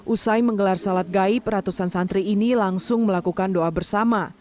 usai menggelar salat gaib ratusan santri ini langsung melakukan doa bersama